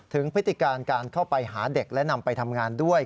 พฤติการการเข้าไปหาเด็กและนำไปทำงานด้วย